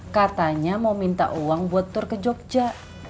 katanya mau minta uang buat tur ke jogja